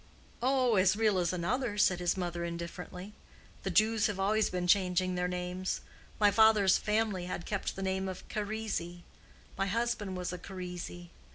"Oh, as real as another," said his mother, indifferently. "The Jews have always been changing their names. My father's family had kept the name of Charisi: my husband was a Charisi.